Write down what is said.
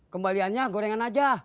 kembaliannya gorengan aja